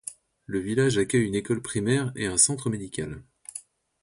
Le village accueille une école primaire et un centre médical.